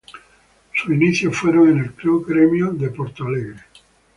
Sus inicios fueron en el club Grêmio de Porto Alegre.